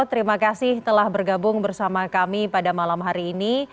terima kasih telah bergabung bersama kami pada malam hari ini